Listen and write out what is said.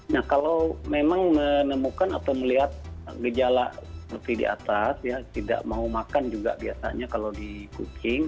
nah kalau memang menemukan atau melihat gejala seperti di atas ya tidak mau makan juga biasanya kalau di kucing